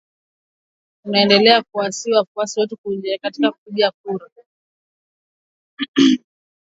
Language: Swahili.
Tunaendelea kuwasihi wafuasi wetu kujiandikisha kwa wingi kupiga kura